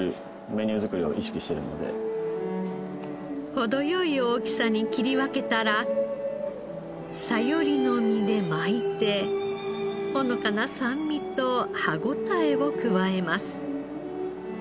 程よい大きさに切り分けたらサヨリの身で巻いてほのかな酸味と歯応えを加えます。